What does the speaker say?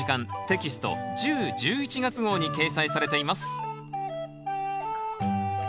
テキスト１０・１１月号に掲載されています